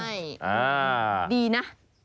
ใช่ดีนะ